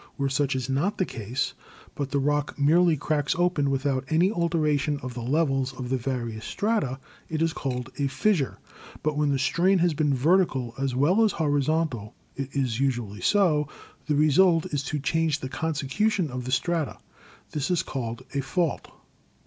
Where such is not the case, but the rock merely cracks open without any alteration of the levels of the various strata, it is called a 'fissure' ; but when the strain has been vertical as well as horizontal (it is usually so), the result is to change the consecution of the strata. This is called a 'fault.'